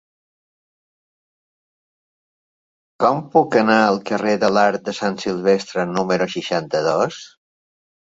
Com puc anar al carrer de l'Arc de Sant Silvestre número seixanta-dos?